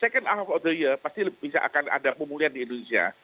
di tahun ke dua pasti bisa ada pemulihan di indonesia